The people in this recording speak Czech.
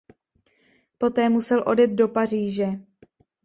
Poté musel odjet do Paříže.